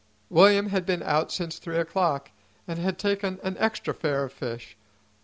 William had been out since three o'clock, and had taken an extra fare of fish.